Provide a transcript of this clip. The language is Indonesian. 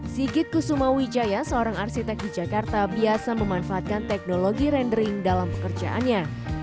sigit kusuma wijaya seorang arsitek di jakarta biasa memanfaatkan teknologi randering dalam pekerjaannya